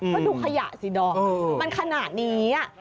ถ้าดูขยะสิดองมันขนาดนี้งี้อะแบตไหม